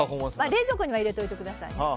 冷蔵庫には入れといてください。